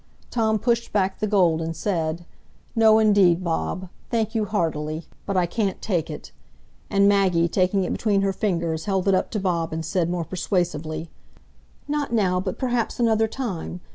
Tom pushed back the gold, and said, "No, indeed, Bob; thank you heartily, but I can't take it." And Maggie, taking it between her fingers, held it up to Bob and said, more persuasively: "Not now, but perhaps another time.